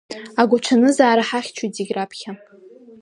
Агәаҽанызаара ҳахьчоит зегь раԥхьа.